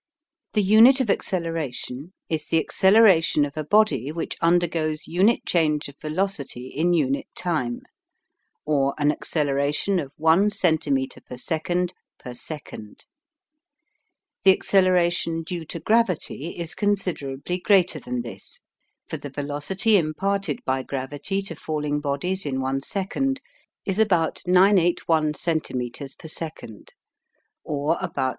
The unit of acceleration is the acceleration of a body which undergoes unit change of velocity in unit time, or an acceleration of one centimetre per second per second The acceleration due to gravity is considerably greater than this, for the velocity imparted by gravity to falling bodies in one second is about 981 centimetres per second (or about 32.